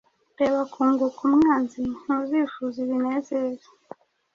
Reba kunguka umwanziNtuzifuza ibinezeza